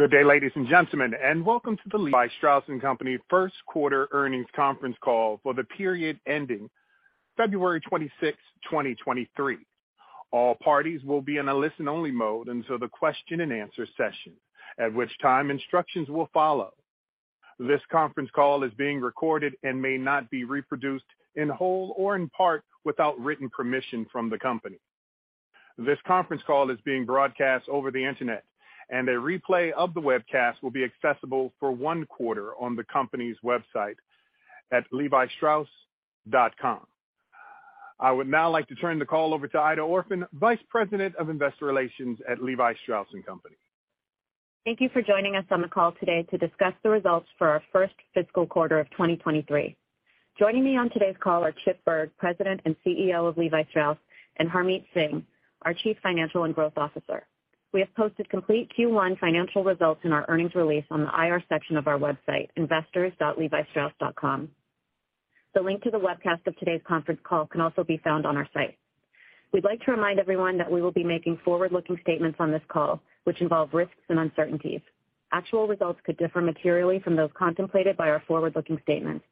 Good day, ladies and gentlemen, and welcome to the Levi Strauss & Co. 1st Quarter Earnings Conference Call for the period ending February 26, 2023. All parties will be in a listen-only mode until the question-and-answer session, at which time instructions will follow. This conference call is being recorded and may not be reproduced, in whole or in part, without written permission from the company. This conference call is being broadcast over the Internet, and a replay of the webcast will be accessible for one quarter on the company's website at levistrauss.com. I would now like to turn the call over to Aida O’Rourke, Vice President of Investor Relations at Levi Strauss & Co. Thank you for joining us on the call today to discuss the results for our first fiscal quarter of 2023. Joining me on today's call are Chip Bergh, President and CEO of Levi Strauss & Co., and Harmit Singh, our Chief Financial and Growth Officer. We have posted complete Q1 financial results in our earnings release on the IR section of our website, investors.levistrauss.com. The link to the webcast of today's conference call can also be found on our site. We'd like to remind everyone that we will be making forward-looking statements on this call, which involve risks and uncertainties. Actual results could differ materially from those contemplated by our forward-looking statements.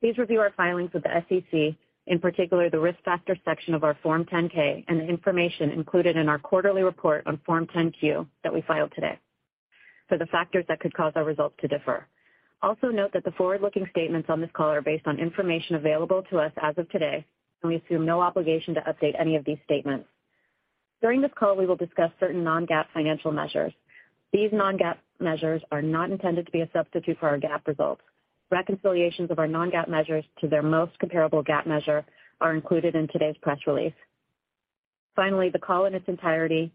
Please review our filings with the SEC, in particular, the Risk Factors section of our Form 10-K and the information included in our quarterly report on Form 10-Q that we filed today for the factors that could cause our results to differ. Also note that the forward-looking statements on this call are based on information available to us as of today, and we assume no obligation to update any of these statements. During this call, we will discuss certain non-GAAP financial measures. These non-GAAP measures are not intended to be a substitute for our GAAP results. Reconciliations of our non-GAAP measures to their most comparable GAAP measure are included in today's press release. Finally, the call in its entirety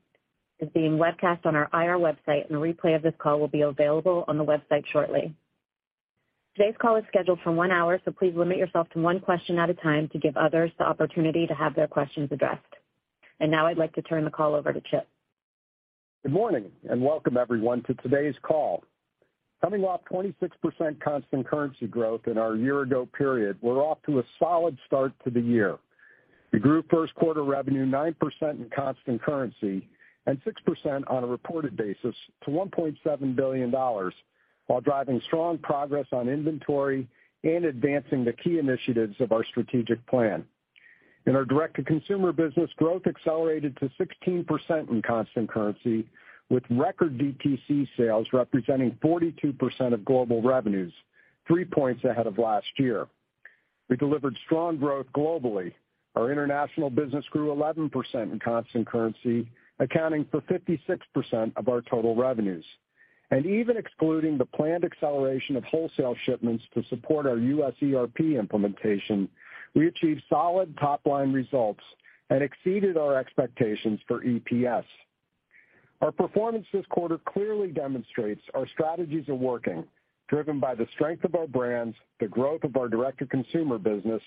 is being webcast on our IR website, and a replay of this call will be available on the website shortly. Today's call is scheduled for 1 hour, so please limit yourself to 1 question at a time to give others the opportunity to have their questions addressed. Now I'd like to turn the call over to Chip. Good morning, and welcome everyone to today's call. Coming off 26% constant currency growth in our year-ago period, we're off to a solid start to the year. We grew first quarter revenue 9% in constant currency and 6% on a reported basis to $1.7 billion, while driving strong progress on inventory and advancing the key initiatives of our strategic plan. In our direct-to-consumer business, growth accelerated to 16% in constant currency, with record DTC sales representing 42% of global revenues, 3 points ahead of last year. Our international business grew 11% in constant currency, accounting for 56% of our total revenues. Even excluding the planned acceleration of wholesale shipments to support our U.S. ERP implementation, we achieved solid top-line results and exceeded our expectations for EPS. Our performance this quarter clearly demonstrates our strategies are working, driven by the strength of our brands, the growth of our direct-to-consumer business,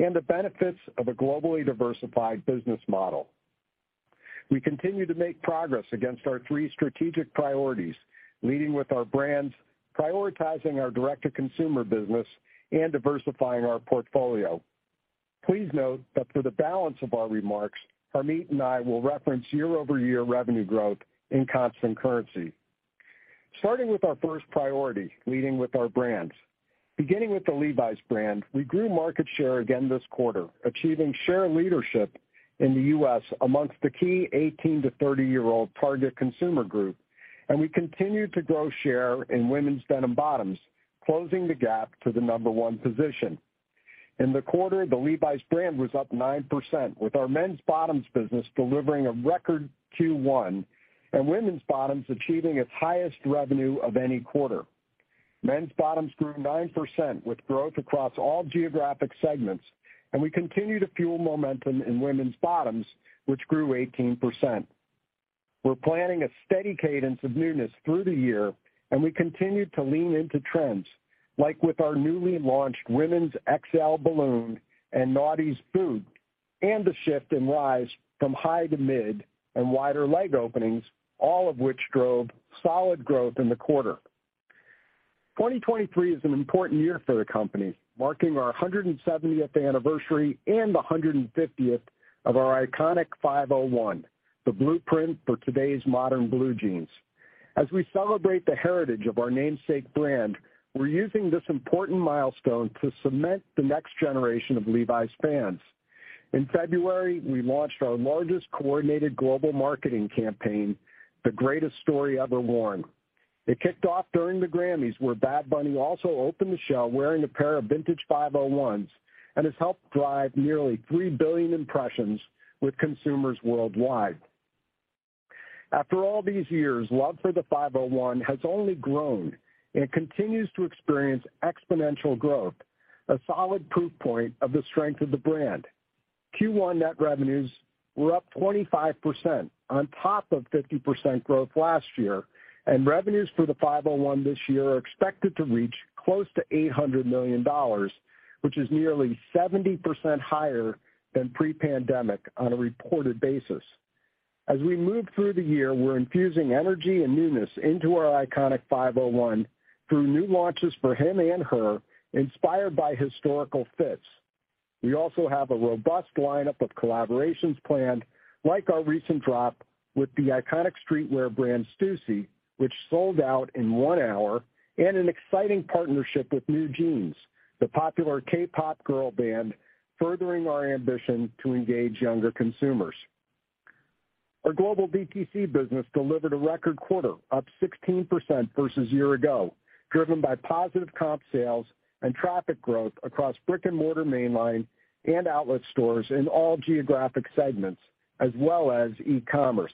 and the benefits of a globally diversified business model. We continue to make progress against our three strategic priorities, leading with our brands, prioritizing our direct-to-consumer business, and diversifying our portfolio. Please note that for the balance of our remarks, Harmit and I will reference year-over-year revenue growth in constant currency. Starting with our first priority, leading with our brands. Beginning with the Levi's brand, we grew market share again this quarter, achieving share leadership in the U.S. amongst the key 18- to 30-year-old target consumer group, and we continued to grow share in women's denim bottoms, closing the gap to the number one position. In the quarter, the Levi's brand was up 9%, with our men's bottoms business delivering a record Q1 and women's bottoms achieving its highest revenue of any quarter. Men's bottoms grew 9%, with growth across all geographic segments, and we continue to fuel momentum in women's bottoms, which grew 18%. We're planning a steady cadence of newness through the year, and we continue to lean into trends, like with our newly launched women's XL Balloon and Knaughty Boot, and the shift in rise from high to mid and wider leg openings, all of which drove solid growth in the quarter. 2023 is an important year for the company, marking our 170th anniversary and the 150th of our iconic 501, the blueprint for today's modern blue jeans. As we celebrate the heritage of our namesake brand, we're using this important milestone to cement the next generation of Levi's fans. In February, we launched our largest coordinated global marketing campaign, The Greatest Story Ever Worn. It kicked off during the GRAMMYs, where Bad Bunny also opened the show wearing a pair of vintage Five Oh Ones and has helped drive nearly 3 billion impressions with consumers worldwide. After all these years, love for the Five Oh One has only grown and continues to experience exponential growth, a solid proof point of the strength of the brand. Q1 net revenues were up 25% on top of 50% growth last year, and revenues for the Five Oh One this year are expected to reach close to $800 million, which is nearly 70% higher than pre-pandemic on a reported basis. As we move through the year, we're infusing energy and newness into our iconic 501 through new launches for him and her, inspired by historical fits. We also have a robust lineup of collaborations planned, like our recent drop with the iconic streetwear brand Stüssy, which sold out in 1 hour, and an exciting partnership with NewJeans, the popular K-pop girl band, furthering our ambition to engage younger consumers. Our global DTC business delivered a record quarter, up 16% versus year ago, driven by positive comp sales and traffic growth across brick-and-mortar mainline and outlet stores in all geographic segments, as well as e-commerce.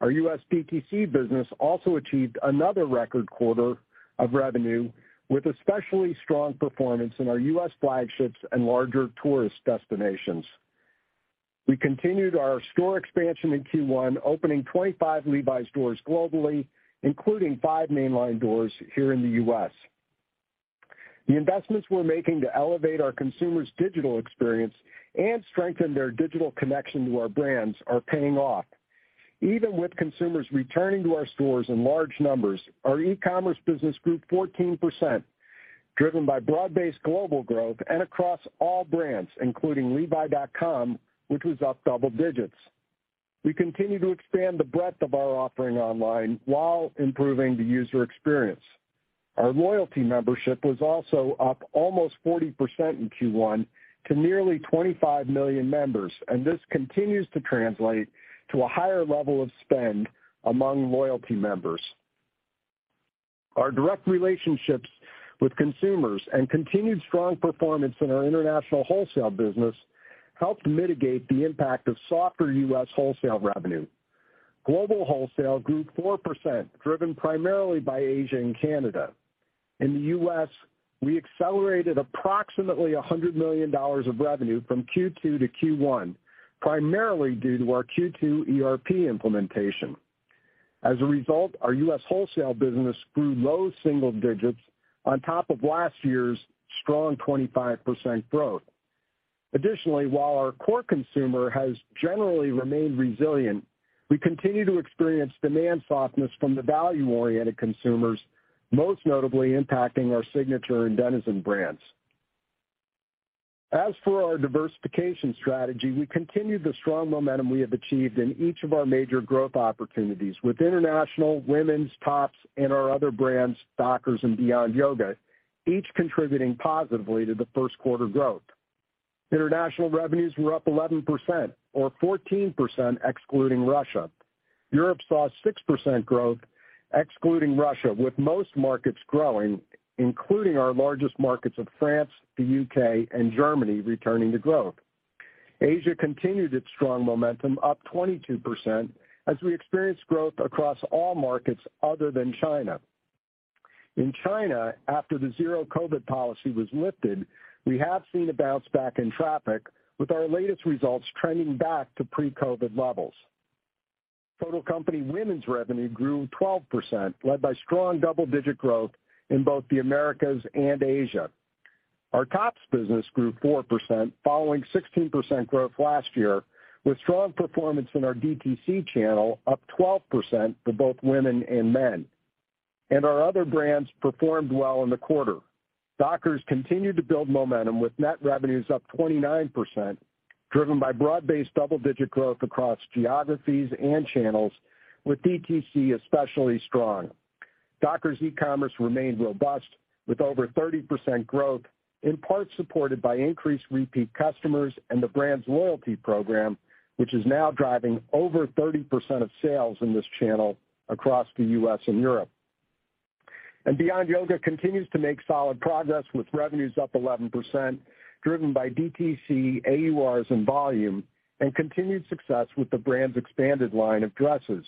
Our U.S. DTC business also achieved another record quarter of revenue, with especially strong performance in our U.S. flagships and larger tourist destinations. We continued our store expansion in Q1, opening 25 Levi's stores globally, including 5 mainline stores here in the U.S. The investments we're making to elevate our consumers' digital experience and strengthen their digital connection to our brands are paying off. Even with consumers returning to our stores in large numbers, our e-commerce business grew 14%, driven by broad-based global growth and across all brands, including Levi.com, which was up double digits. We continue to expand the breadth of our offering online while improving the user experience. Our loyalty membership was also up almost 40% in Q1 to nearly 25 million members, and this continues to translate to a higher level of spend among loyalty members. Our direct relationships with consumers and continued strong performance in our international wholesale business helped mitigate the impact of softer U.S. wholesale revenue. Global wholesale grew 4%, driven primarily by Asia and Canada. In the U.S., we accelerated approximately $100 million of revenue from Q2 to Q1, primarily due to our Q2 ERP implementation. As a result, our U.S. wholesale business grew low single digits on top of last year's strong 25% growth. Additionally, while our core consumer has generally remained resilient, we continue to experience demand softness from the value-oriented consumers, most notably impacting our Signature and DENIZEN brands. As for our diversification strategy, we continued the strong momentum we have achieved in each of our major growth opportunities with international, women's, tops, and our other brands, Dockers and Beyond Yoga, each contributing positively to the first quarter growth. International revenues were up 11% or 14% excluding Russia. Europe saw 6% growth excluding Russia, with most markets growing, including our largest markets of France, the U.K., and Germany returning to growth. Asia continued its strong momentum, up 22%, as we experienced growth across all markets other than China. In China, after the zero COVID policy was lifted, we have seen a bounce back in traffic, with our latest results trending back to pre-COVID levels. Total company women's revenue grew 12%, led by strong double-digit growth in both the Americas and Asia. Our tops business grew 4%, following 16% growth last year, with strong performance in our DTC channel, up 12% for both women and men. Our other brands performed well in the quarter. Dockers continued to build momentum, with net revenues up 29%, driven by broad-based double-digit growth across geographies and channels, with DTC especially strong. Dockers e-commerce remained robust, with over 30% growth, in part supported by increased repeat customers and the brand's loyalty program, which is now driving over 30% of sales in this channel across the U.S. and Europe. Beyond Yoga continues to make solid progress, with revenues up 11%, driven by DTC, AURs, and volume, and continued success with the brand's expanded line of dresses.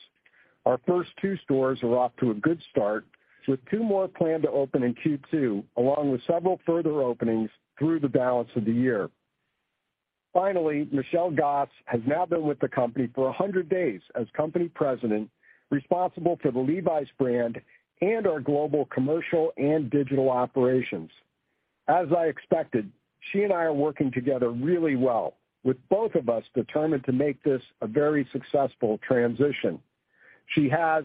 Our first 2 stores are off to a good start, with 2 more planned to open in Q2, along with several further openings through the balance of the year. Finally, Michelle Gass has now been with the company for 100 days as company President, responsible for the Levi's brand and our global commercial and digital operations. As I expected, she and I are working together really well, with both of us determined to make this a very successful transition. She has,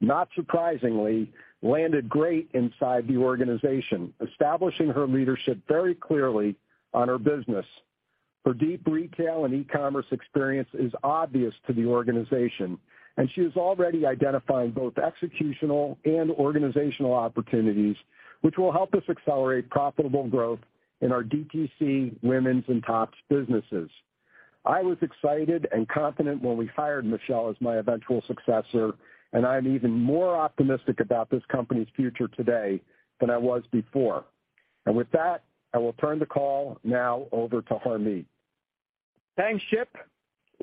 not surprisingly, landed great inside the organization, establishing her leadership very clearly on her business. Her deep retail and e-commerce experience is obvious to the organization, and she is already identifying both executional and organizational opportunities which will help us accelerate profitable growth in our DTC, women's, and tops businesses. I was excited and confident when we hired Michelle as my eventual successor, and I'm even more optimistic about this company's future today than I was before. With that, I will turn the call now over to Harmit. Thanks, Chip.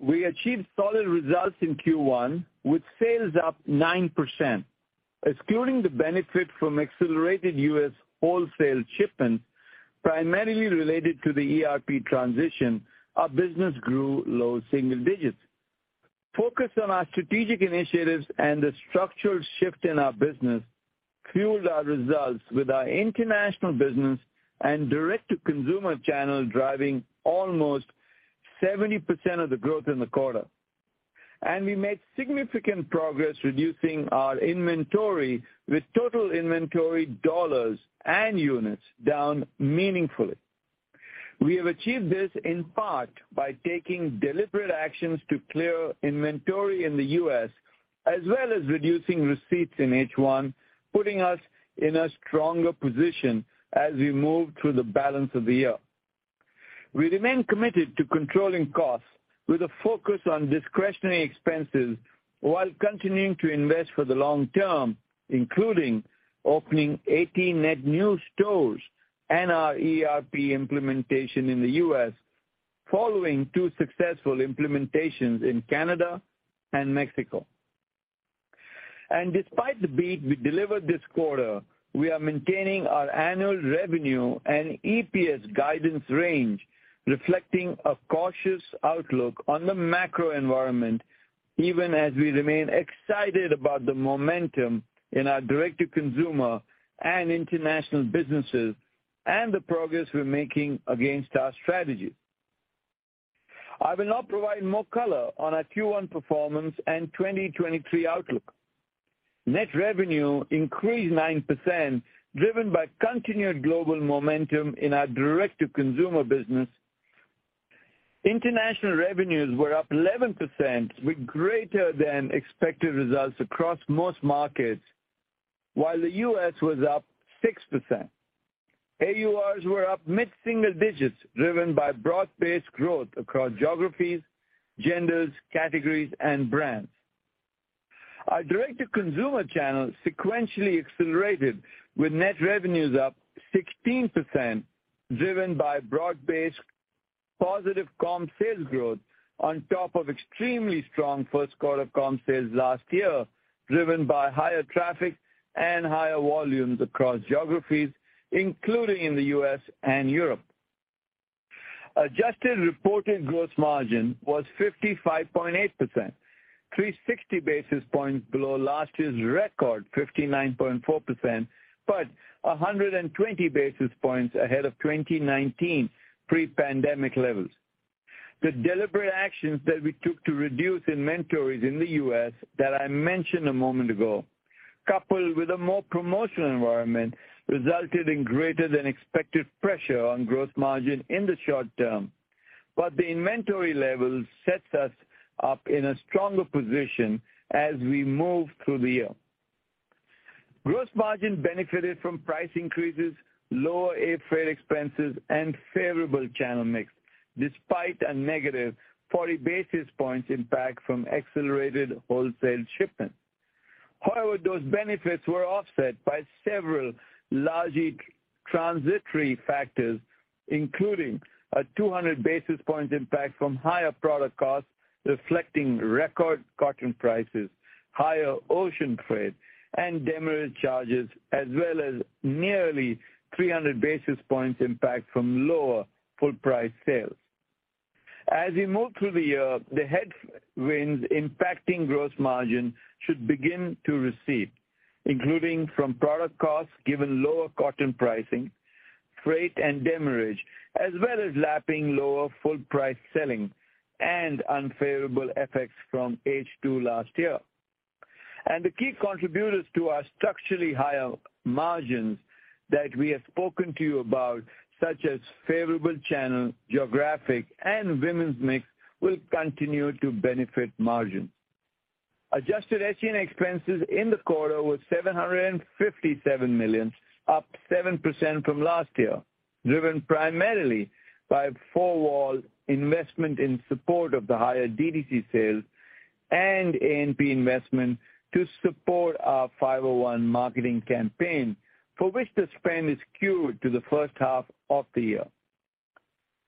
We achieved solid results in Q1, with sales up 9%. Excluding the benefit from accelerated U.S. wholesale shipments, primarily related to the ERP transition, our business grew low single digits. Focus on our strategic initiatives and the structural shift in our business fueled our results with our international business and direct-to-consumer channel driving almost 70% of the growth in the quarter. We made significant progress reducing our inventory with total inventory dollars and units down meaningfully. We have achieved this in part by taking deliberate actions to clear inventory in the U.S., as well as reducing receipts in H1, putting us in a stronger position as we move through the balance of the year. We remain committed to controlling costs with a focus on discretionary expenses while continuing to invest for the long term, including opening 18 net new stores and our ERP implementation in the U.S. following two successful implementations in Canada and Mexico. Despite the beat we delivered this quarter, we are maintaining our annual revenue and EPS guidance range, reflecting a cautious outlook on the macro environment, even as we remain excited about the momentum in our direct-to-consumer and international businesses and the progress we're making against our strategy. I will now provide more color on our Q1 performance and 2023 outlook. Net revenue increased 9%, driven by continued global momentum in our direct-to-consumer business. International revenues were up 11%, with greater than expected results across most markets, while the U.S. was up 6%. AURs were up mid-single digits, driven by broad-based growth across geographies, genders, categories, and brands. Our direct-to-consumer channel sequentially accelerated with net revenues up 16%, driven by broad-based positive comp sales growth on top of extremely strong first quarter comp sales last year, driven by higher traffic and higher volumes across geographies, including in the U.S. and Europe. Adjusted reported gross margin was 55.8%, 360 basis points below last year's record 59.4%, but 120 basis points ahead of 2019 pre-pandemic levels. The deliberate actions that we took to reduce inventories in the U.S. that I mentioned a moment ago, coupled with a more promotional environment, resulted in greater than expected pressure on gross margin in the short term. The inventory level sets us up in a stronger position as we move through the year. Gross margin benefited from price increases, lower air freight expenses, and favorable channel mix, despite a negative 40 basis points impact from accelerated wholesale shipments. Those benefits were offset by several largely transitory factors, including a 200 basis points impact from higher product costs, reflecting record cotton prices, higher ocean freight, and demurrage charges, as well as nearly 300 basis points impact from lower full price sales. As we move through the year, the headwinds impacting gross margin should begin to recede, including from product costs given lower cotton pricing, freight and demurrage, as well as lapping lower full price selling and unfavorable FX from H2 last year. The key contributors to our structurally higher margins that we have spoken to you about, such as favorable channel, geographic, and women's mix, will continue to benefit margins. Adjusted SG&A expenses in the quarter were $757 million, up 7% from last year, driven primarily by four-wall investment in support of the higher DTC sales and A&P investment to support our 501-marketing campaign, for which the spend is skewed to the first half of the year.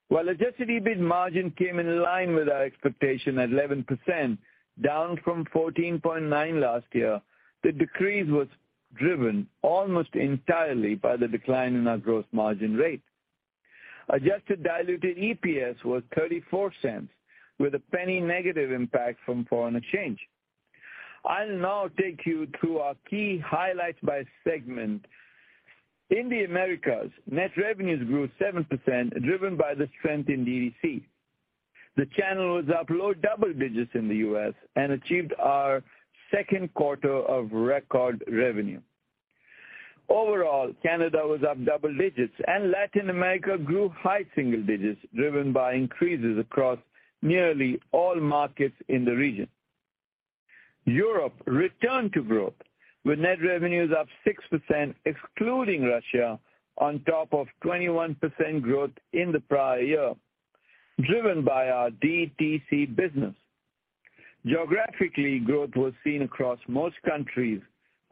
While adjusted EBIT margin came in line with our expectation at 11%, down from 14.9 last year, the decrease was driven almost entirely by the decline in our growth margin rate. Adjusted diluted EPS was $0.34 with a $0.01 negative impact from FX. I'll now take you through our key highlights by segment. In the Americas, net revenues grew 7%, driven by the strength in DTC. The channel was up low double digits in the U.S. and achieved our second quarter of record revenue. Overall, Canada was up double digits and Latin America grew high single digits, driven by increases across nearly all markets in the region. Europe returned to growth, with net revenues up 6%, excluding Russia, on top of 21% growth in the prior year, driven by our DTC business. Geographically, growth was seen across most countries.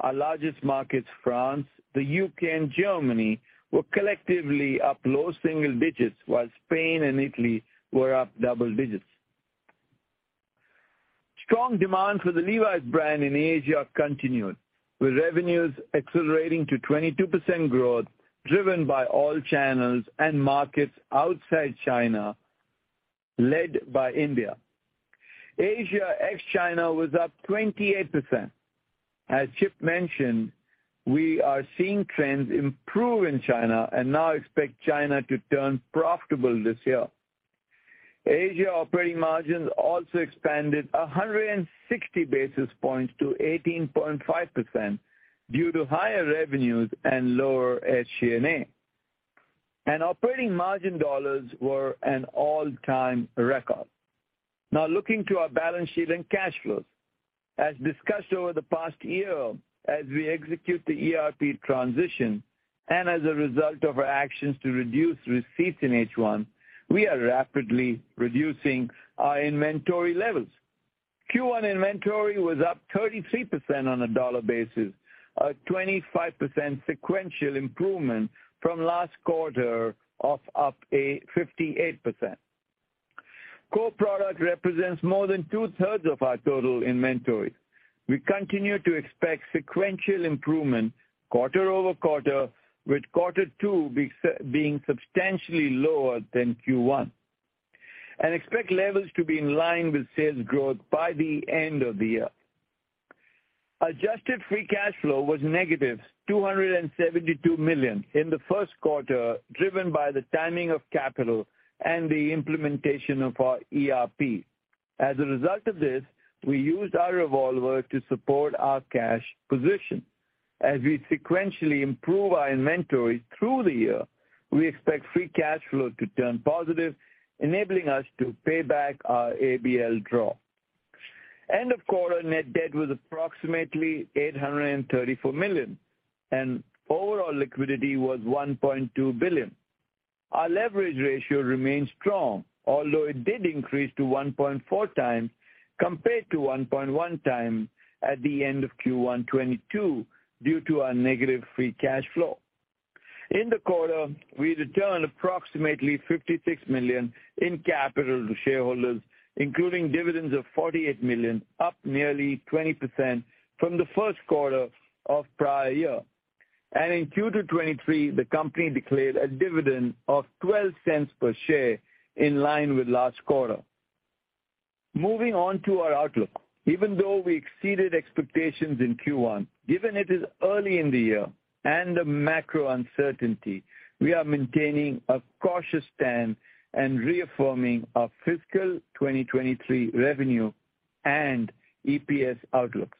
Our largest markets, France, the U.K., and Germany, were collectively up low single digits, while Spain and Italy were up double digits. Strong demand for the Levi's brand in Asia continued, with revenues accelerating to 22% growth, driven by all channels and markets outside China, led by India. Asia, ex China, was up 28%. As Chip mentioned, we are seeing trends improve in China and now expect China to turn profitable this year. Asia operating margins also expanded 160 basis points to 18.5% due to higher revenues and lower SG&A. Operating margin dollars were an all-time record. Now looking to our balance sheet and cash flows. As discussed over the past year, as we execute the ERP transition and as a result of our actions to reduce receipts in H1, we are rapidly reducing our inventory levels. Q1 inventory was up 33% on a dollar basis, a 25% sequential improvement from last quarter of up a 58%. Core product represents more than 2/3 of our total inventory. We continue to expect sequential improvement quarter-over-quarter, with Q2 being substantially lower than Q1, and expect levels to be in line with sales growth by the end of the year. Adjusted free cash flow was negative $272 million in the first quarter, driven by the timing of capital and the implementation of our ERP. As a result of this, we used our revolver to support our cash position. As we sequentially improve our inventory through the year, we expect free cash flow to turn positive, enabling us to pay back our ABL draw. End of quarter net debt was approximately $834 million, and overall liquidity was $1.2 billion. Our leverage ratio remains strong, although it did increase to 1.4 times compared to 1.1 times at the end of Q1 '22 due to our negative free cash flow. In the quarter, we returned approximately $56 million in capital to shareholders, including dividends of $48 million, up nearly 20% from the first quarter of prior year. In Q2 2023, the company declared a dividend of $0.12 per share in line with last quarter. Moving on to our outlook. Even though we exceeded expectations in Q1, given it is early in the year and the macro uncertainty, we are maintaining a cautious stand and reaffirming our fiscal 2023 revenue and EPS outlooks.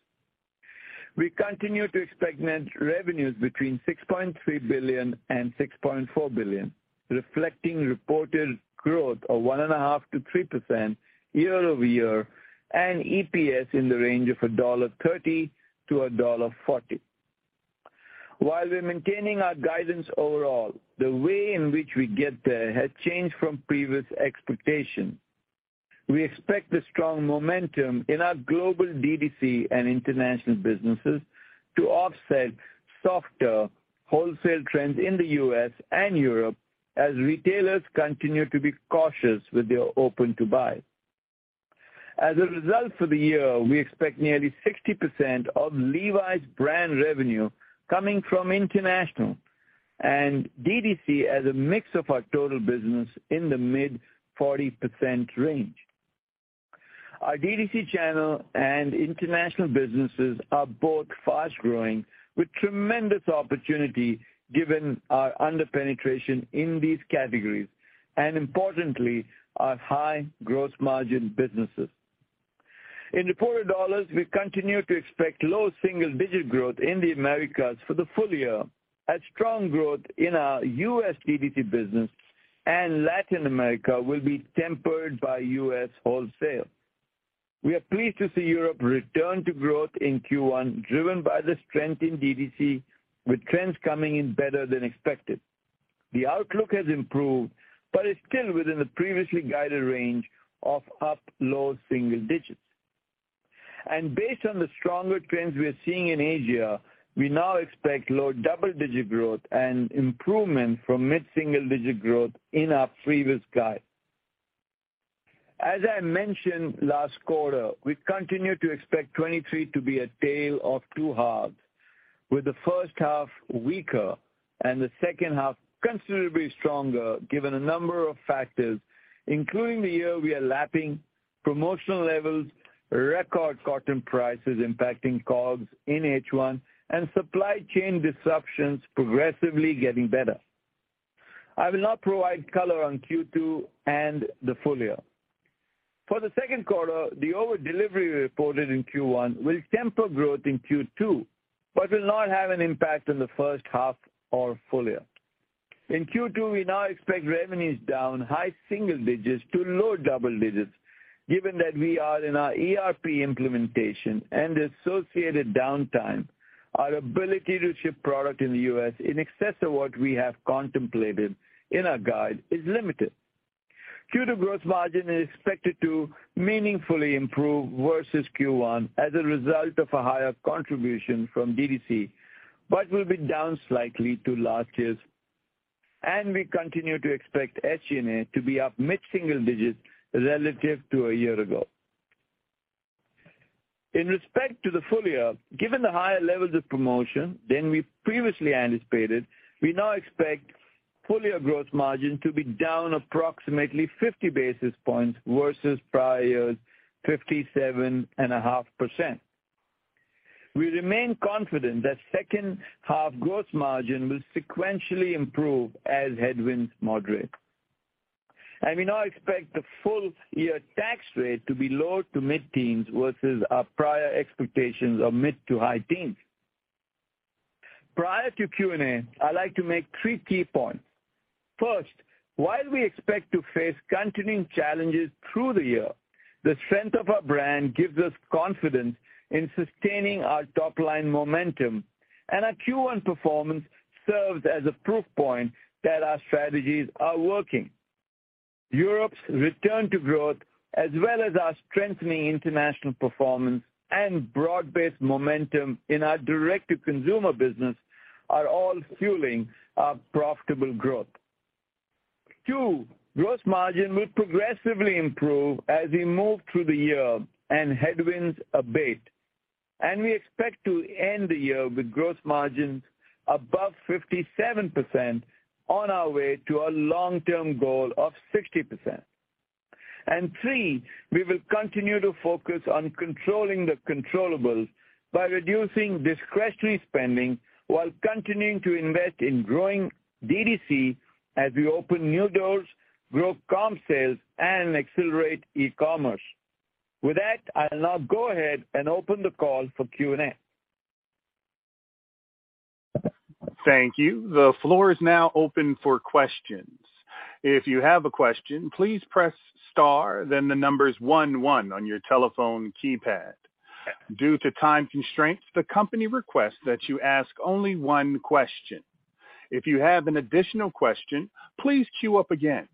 We continue to expect net revenues between $6.3 billion and $6.4 billion, reflecting reported growth of 1.5% to 3% year-over-year and EPS in the range of $1.30 to $1.40. While we're maintaining our guidance overall, the way in which we get there has changed from previous expectations. We expect the strong momentum in our global DTC and international businesses to offset softer wholesale trends in the US and Europe as retailers continue to be cautious with their open to buy. For the year, we expect nearly 60% of Levi's brand revenue coming from international and DTC as a mix of our total business in the mid 40% range. Our DTC channel and international businesses are both fast growing with tremendous opportunity given our under-penetration in these categories and importantly, our high gross margin businesses. In reported dollars, we continue to expect low single-digit growth in the Americas for the full year as strong growth in our US DTC business and Latin America will be tempered by US wholesale. We are pleased to see Europe return to growth in Q1, driven by the strength in DTC, with trends coming in better than expected. The outlook has improved, is still within the previously guided range of up low single digits. Based on the stronger trends we are seeing in Asia, we now expect low double-digit growth and improvement from mid-single digit growth in our previous guide. As I mentioned last quarter, we continue to expect 2023 to be a tale of two halves, with the first half weaker and the second half considerably stronger given a number of factors, including the year we are lapping promotional levels, record cotton prices impacting COGS in H1, and supply chain disruptions progressively getting better. I will now provide color on Q2 and the full year. For the second quarter, the over delivery reported in Q1 will temper growth in Q2, but will not have an impact on the first half or full year. In Q2, we now expect revenues down high single digits to low double digits. Given that we are in our ERP implementation and associated downtime, our ability to ship product in the U.S. in excess of what we have contemplated in our guide is limited. Q2 gross margin is expected to meaningfully improve versus Q1 as a result of a higher contribution from DTC but will be down slightly to last year's. We continue to expect SG&A to be up mid-single digits relative to a year ago. In respect to the full year, given the higher levels of promotion than we previously anticipated, we now expect full year gross margin to be down approximately 50 basis points versus prior 57.5%. We remain confident that second half gross margin will sequentially improve as headwinds moderate. We now expect the full year tax rate to be low to mid-teens versus our prior expectations of mid to high teens. Prior to Q&A, I'd like to make three key points. First, while we expect to face continuing challenges through the year, the strength of our brand gives us confidence in sustaining our top line momentum, and our Q1 performance serves as a proof point that our strategies are working. Europe's return to growth, as well as our strengthening international performance and broad-based momentum in our direct-to-consumer business are all fueling our profitable growth. 2. Gross margin will progressively improve as we move through the year and headwinds abate, and we expect to end the year with gross margins above 57% on our way to our long-term goal of 60%. Three, we will continue to focus on controlling the controllables by reducing discretionary spending while continuing to invest in growing DTC as we open new doors, grow comp sales, and accelerate e-commerce. With that, I'll now go ahead and open the call for Q&A. Thank you. The floor is now open for questions. If you have a question, please press star then the numbers one on your telephone keypad. Due to time constraints, the company requests that you ask only one question. If you have an additional question, please queue up again.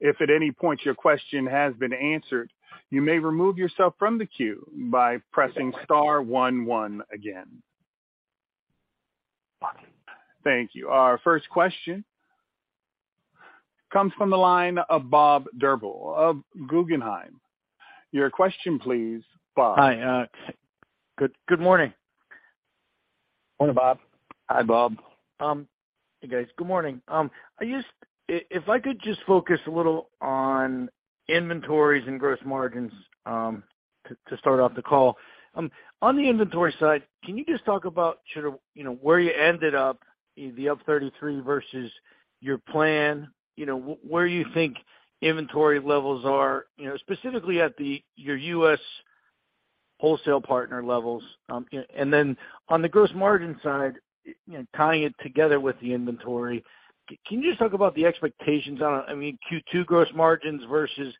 If at any point your question has been answered, you may remove yourself from the queue by pressing star one again. Thank you. Our first question comes from the line of Bob Drbul of Guggenheim. Your question, please, Bob. Hi. Good morning. Morning, Bob. Hi, Bob. Hey, guys. Good morning. If I could just focus a little on inventories and gross margins to start off the call. On the inventory side, can you just talk about sort of, you know, where you ended up, the up 33% versus your plan, you know, where you think inventory levels are, you know, specifically at your U.S. wholesale partner levels? On the gross margin side, you know, tying it together with the inventory, can you just talk about the expectations on, I mean, Q2 gross margins versus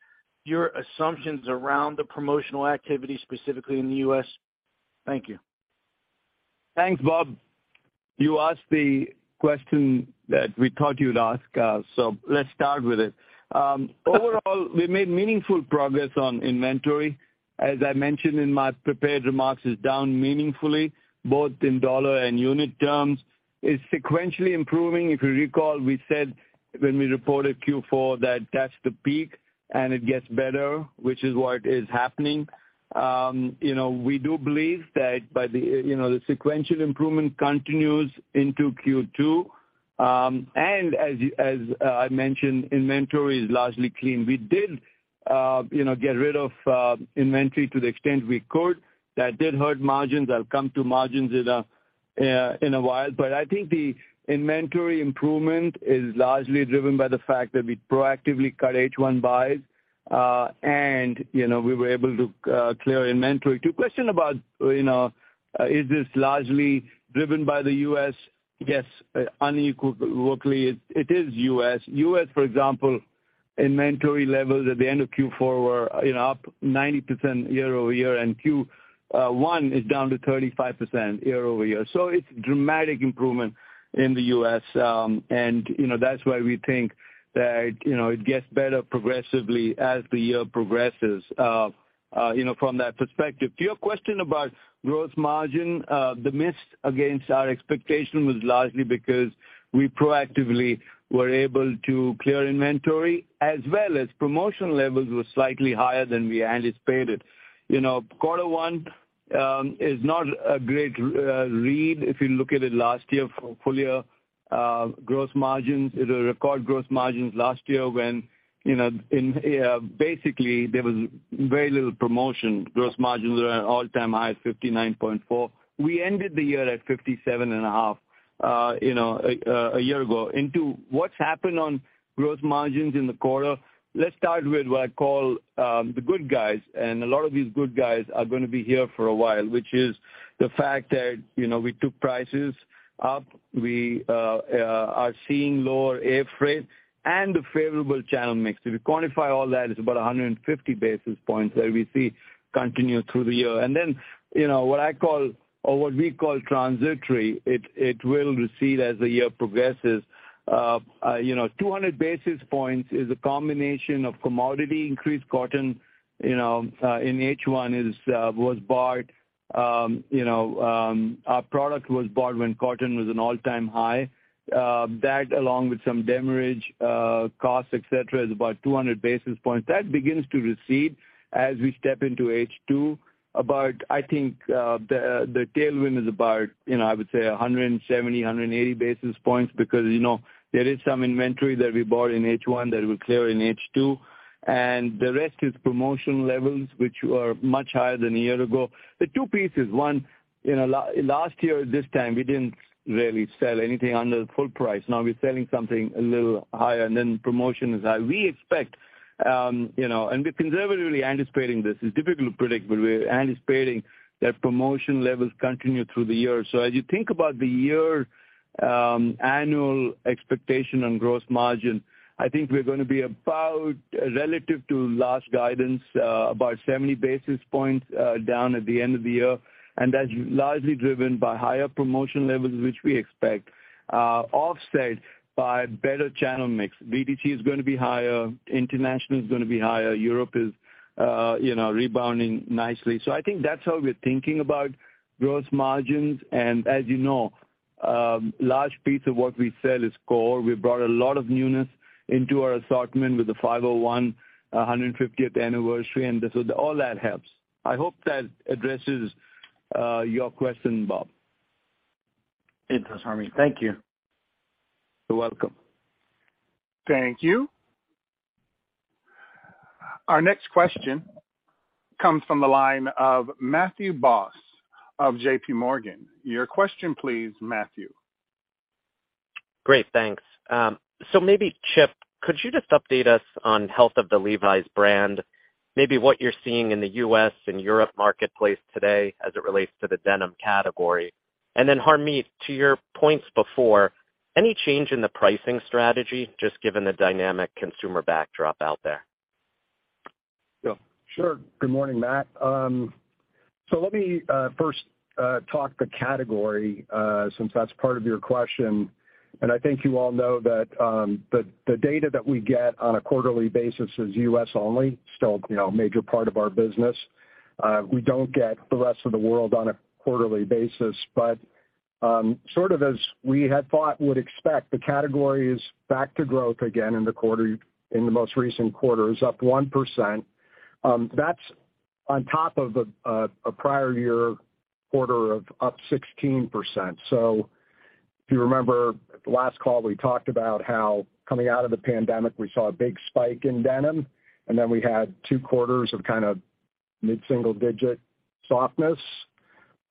your assumptions around the promotional activity specifically in the U.S.? Thank you. Thanks, Bob. You asked the question that we thought you'd ask. Let's start with it. Overall, we made meaningful progress on inventory. As I mentioned in my prepared remarks, it's down meaningfully, both in dollar and unit terms. It's sequentially improving. If you recall, we said when we reported Q4 that that's the peak and it gets better, which is what is happening. You know, we do believe that by the, you know, the sequential improvement continues into Q2. As I mentioned, inventory is largely clean. We did, you know, get rid of inventory to the extent we could. That did hurt margins. I'll come to margins in a while. I think the inventory improvement is largely driven by the fact that we proactively cut H1 buys, you know, we were able to clear inventory. To your question about, you know, is this largely driven by the U.S., yes, unequally it is U.S. U.S., for example, inventory levels at the end of Q4 were, you know, up 90% year-over-year, and Q1 is down to 35% year-over-year. It's dramatic improvement in the U.S. You know, that's why we think that, you know, it gets better progressively as the year progresses, you know, from that perspective. To your question about gross margin, the miss against our expectation was largely because we proactively were able to clear inventory as well as promotional levels were slightly higher than we anticipated. You know, quarter one is not a great read if you look at it last year for full-year gross margins. It was a record gross margins last year when, you know, in basically there was very little promotion. Gross margins were at an all-time high of 59.4%. We ended the year at 57.5%. You know, a year ago into what's happened on gross margins in the quarter. Let's start with what I call the good guys, and a lot of these good guys are gonna be here for a while, which is the fact that, you know, we took prices up. We are seeing lower air freight and a favorable channel mix. If you quantify all that, it's about 150 basis points that we see continue through the year. You know, what I call or what we call transitory, it will recede as the year progresses. you know, 200 basis points is a combination of commodity increased cotton, you know, in H1 was bought. you know, our product was bought when cotton was an all-time high. That along with some demurrage costs, et cetera, is about 200 basis points. That begins to recede as we step into H2. About, I think, the tailwind is about, you know, I would say 170-180 basis points because, you know, there is some inventory that we bought in H1 that we'll clear in H2. The rest is promotional levels, which were much higher than a year ago. The two pieces, one, you know, last year at this time, we didn't really sell anything under the full price. Now we're selling something a little higher, and then promotion is high. We expect, you know, and we're conservatively anticipating this. It's difficult to predict, but we're anticipating that promotion levels continue through the year. As you think about the year, annual expectation on gross margin, I think we're gonna be about, relative to last guidance, about 70 basis points down at the end of the year, and that's largely driven by higher promotion levels, which we expect, offset by better channel mix. DTC is gonna be higher, international is gonna be higher, Europe is, you know, rebounding nicely. I think that's how we're thinking about gross margins. As you know, large piece of what we sell is core. We brought a lot of newness into our assortment with the 501 150th anniversary, all that helps. I hope that addresses your question, Bob. It does, Harmit. Thank you. You're welcome. Thank you. Our next question comes from the line of Matthew Boss of JPMorgan. Your question, please, Matthew. Great. Thanks. Maybe, Chip, could you just update us on health of the Levi's brand? Maybe what you're seeing in the U.S. and Europe marketplace today as it relates to the denim category. Harmit, to your points before, any change in the pricing strategy, just given the dynamic consumer backdrop out there? Yeah. Sure. Good morning, Matt. Let me first talk the category since that's part of your question. I think you all know that the data that we get on a quarterly basis is U.S. only, still, you know, a major part of our business. We don't get the rest of the world on a quarterly basis, but sort of as we had thought and would expect, the category is back to growth again in the quarter, in the most recent quarter. It's up 1%. That's on top of a prior year quarter of up 16%. If you remember, at the last call, we talked about how coming out of the pandemic, we saw a big spike in denim, and then we had 2 quarters of kind of mid-single digit softness.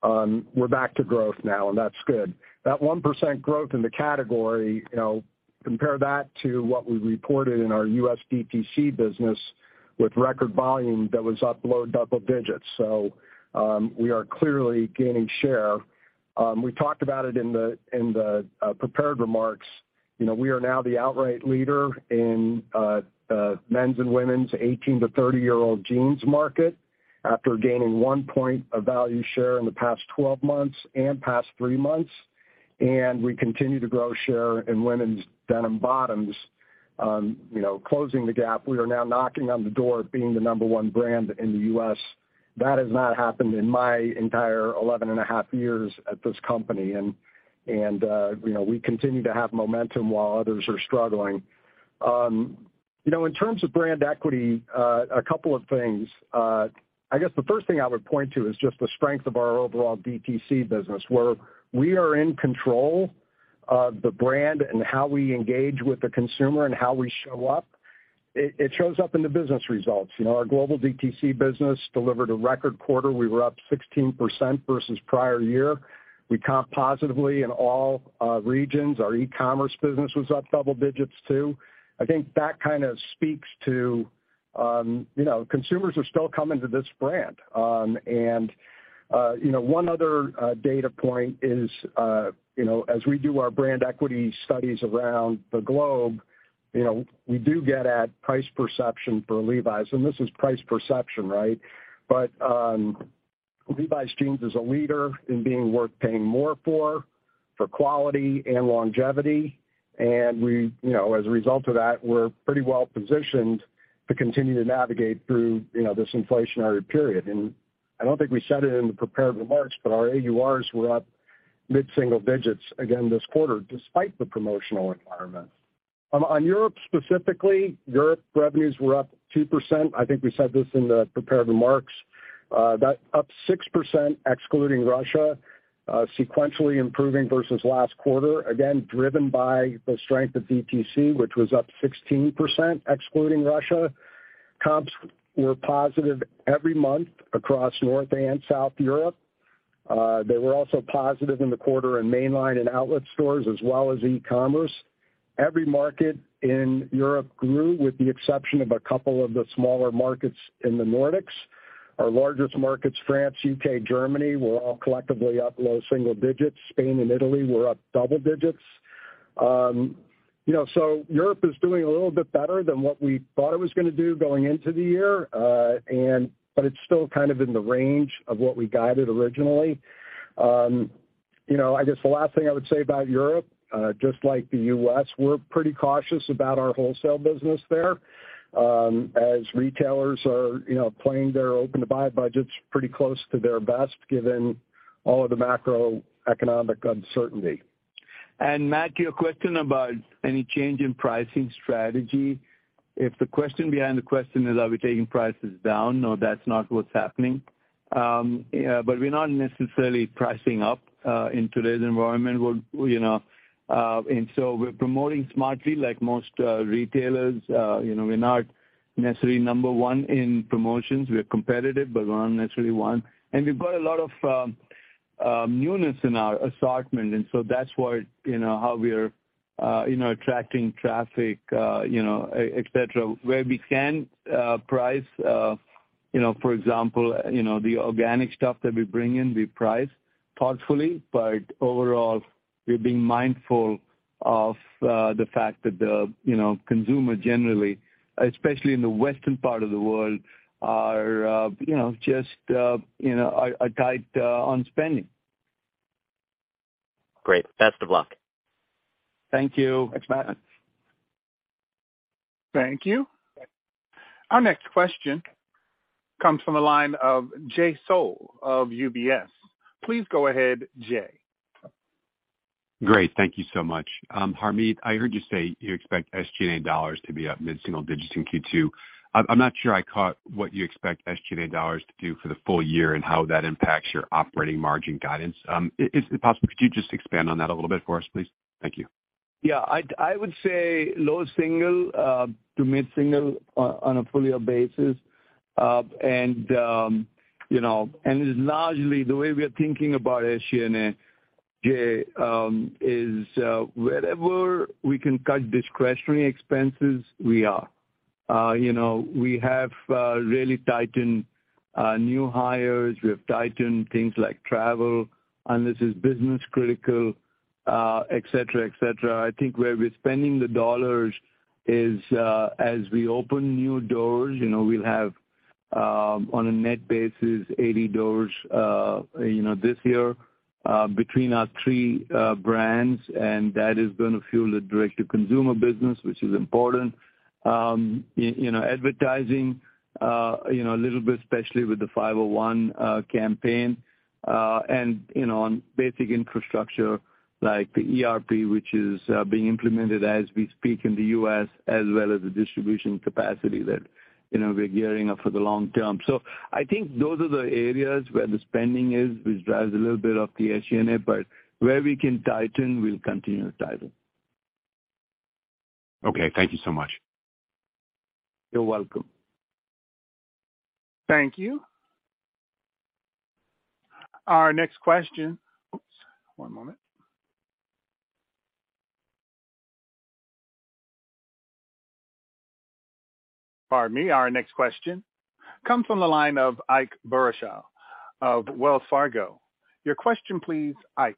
We're back to growth now, that's good. That 1% growth in the category, you know, compare that to what we reported in our U.S. DTC business with record volume that was up low double digits. We are clearly gaining share. We talked about it in the prepared remarks. You know, we are now the outright leader in men's and women's 18-30-year-old jeans market after gaining 1 point of value share in the past 12 months and past 3 months. We continue to grow share in women's denim bottoms. You know, closing the gap, we are now knocking on the door of being the number 1 brand in the U.S. That has not happened in my entire 11 and a half years at this company. You know, we continue to have momentum while others are struggling. You know, in terms of brand equity, a couple of things. I guess the first thing I would point to is just the strength of our overall DTC business, where we are in control of the brand and how we engage with the consumer and how we show up. It shows up in the business results. You know, our global DTC business delivered a record quarter. We were up 16% versus prior year. We comped positively in all regions. Our e-commerce business was up double digits, too. I think that kind of speaks to, you know, consumers are still coming to this brand. You know, one other data point is, you know, as we do our brand equity studies around the globe, you know, we do get at price perception for Levi's, and this is price perception, right? Levi's jeans is a leader in being worth paying more for quality and longevity. We, you know, as a result of that, we're pretty well positioned to continue to navigate through, you know, this inflationary period. I don't think we said it in the prepared remarks, but our AURs were up mid-single digits again this quarter, despite the promotional environment. On Europe specifically, Europe revenues were up 2%. I think we said this in the prepared remarks. That up 6% excluding Russia, sequentially improving versus last quarter, again driven by the strength of DTC, which was up 16% excluding Russia. Comps were positive every month across North and South Europe. They were also positive in the quarter in mainline and outlet stores as well as e-commerce. Every market in Europe grew with the exception of a couple of the smaller markets in the Nordics. Our largest markets, France, U.K., Germany, were all collectively up low single digits. Spain and Italy were up double digits. You know, so Europe is doing a little bit better than what we thought it was gonna do going into the year. It's still kind of in the range of what we guided originally. you know, I guess the last thing I would say about Europe, just like the U.S., we're pretty cautious about our wholesale business there, as retailers are, you know, playing their open to buy budgets pretty close to their best given all of the macroeconomic uncertainty. Matt, your question about any change in pricing strategy. If the question behind the question is are we taking prices down, no, that's not what's happening. Yeah, we're not necessarily pricing up in today's environment. We're, you know, promoting smartly like most retailers. You know, we're not necessarily number 1 in promotions. We are competitive, but we're not necessarily 1. We've got a lot of newness in our assortment, that's why, you know, how we are, you know, attracting traffic, you know, et cetera. Where we can price, you know, for example, you know, the organic stuff that we bring in, we price thoughtfully. Overall, we're being mindful of, the fact that the, you know, consumer generally, especially in the western part of the world, are, you know, just, you know, are tight, on spending. Great. Best of luck. Thank you. Thanks, Matt. Thank you. Our next question comes from the line of Jay Sole of UBS. Please go ahead, Jay. Great. Thank you so much. Harmit, I heard you say you expect SG&A dollars to be up mid-single digits in Q2. I'm not sure I caught what you expect SG&A dollars to do for the full year and how that impacts your operating margin guidance. Is it possible could you just expand on that a little bit for us, please? Thank you. I would say low single % to mid-single % on a full year basis. You know, largely the way we are thinking about SG&A, Jay, is wherever we can cut discretionary expenses, we are. You know, we have really tightened new hires. We have tightened things like travel, unless it's business critical, et cetera, et cetera. I think where we're spending the dollars is as we open new doors, you know, we'll have on a net basis, 80 doors, you know, this year, between our three brands, and that is gonna fuel the direct to consumer business, which is important. You know, advertising, you know, a little bit, especially with the 501 campaign. You know, on basic infrastructure like the ERP, which is being implemented as we speak in the U.S. as well as the distribution capacity that, you know, we're gearing up for the long term. I think those are the areas where the spending is, which drives a little bit of the SG&A, but where we can tighten, we'll continue to tighten. Okay, thank you so much. You're welcome. Thank you. Our next question... Oops, one moment. Pardon me. Our next question comes from the line of Ike Boruchow of Wells Fargo. Your question please, Ike.